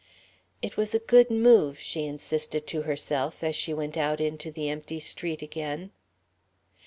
"It was a good move," she insisted to herself, as she went out into the empty street again.